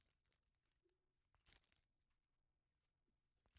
Johansson also played bandy and football.